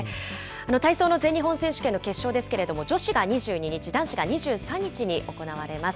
体操の全日本選手権の決勝ですけれども、女子が２２日、男子が２３日に行われます。